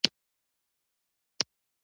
کله چې جعلي اشخاص یو کتاب ته ور داخل شي.